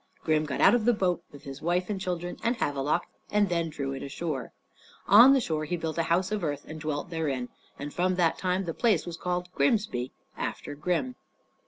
Grim got out of the boat with his wife and children and Havelok, and then drew it ashore. On the shore he built a house of earth and dwelt therein, and from that time the place was called Grimsby, after Grim.